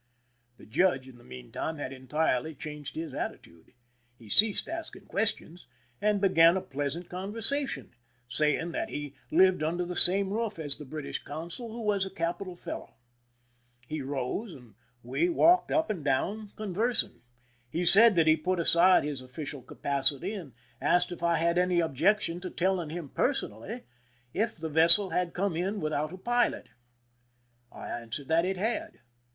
The judge, in the meanwhile, had entirely changed his attitude. He ceased asking questions, and began a pleasant conversation, saying that he lived under the same roof as the British consul, who was a capital fellow. He rose, and we walked up and down, conversing. He said that he put aside his official capacity, and asked if I had any objection to telling him personally if the vessel had come in without a pilot. I answered that it had.